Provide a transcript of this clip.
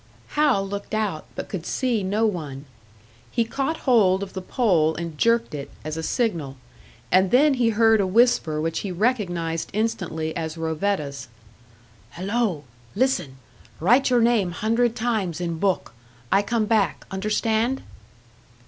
Hal looked out, but could see no one. He caught hold of the pole and jerked it, as a signal; and then he heard a whisper which he recognised instantly as Rovetta's. "Hello! Listen. Write your name hundred times in book. I come back. Understand?"